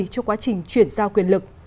cho quá trình chuyển giao quyền lực